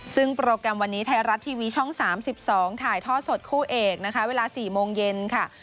ซึ่งโปรแกรมวันนี้ไทยรัฐทีวีช่อง๓๒ถ่ายท่อสดคู่เอกนะคะเวลา๔โมงเย็นค่ะ